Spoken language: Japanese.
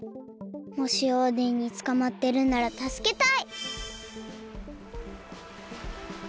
もしオーデンにつかまってるならたすけたい。